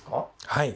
はい。